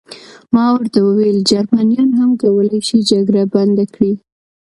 ما ورته وویل: جرمنیان هم کولای شي جګړه بنده کړي.